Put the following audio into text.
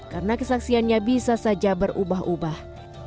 karena kesaksiannya bisa saja berubah ubah